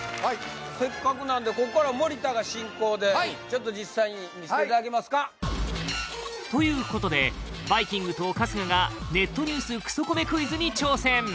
せっかくなんでこっから森田が進行でちょっと実際に見していただけますか？ということでバイきんぐと春日がネットニュースクソコメクイズに挑戦